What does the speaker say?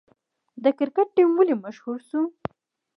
د کرکټ ټیم ولې مشهور شو؟